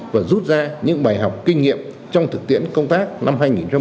và rút ra những bài học kinh nghiệm trong thực tiễn công tác năm hai nghìn một mươi chín